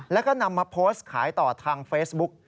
แล้วก็นำมาโพสต์ขายต่อทางเฟซบุ๊ก